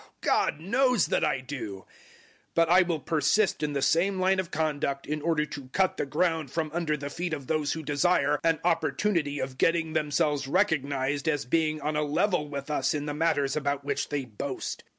God knows that I do. 011:012 But I will persist in the same line of conduct in order to cut the ground from under the feet of those who desire an opportunity of getting themselves recognized as being on a level with us in the matters about which they boast.